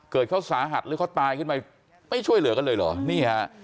เกิดเขาสาหัสหรือเขาตายขึ้นไปไม่ช่วยเหลือกันเลยเหรอนี่ฮะ